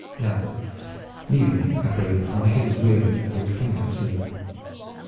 And now leave me, I pray you, for my head is weary and I would fain have sleep."